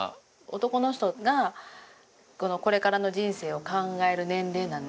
男の人がこれからの人生を考える年齢なんで。